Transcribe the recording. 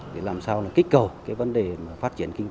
để làm sao kích cầu cái vấn đề phát triển kinh tế